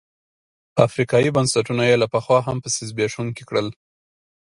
افریقايي بنسټونه یې له پخوا هم پسې زبېښونکي کړل.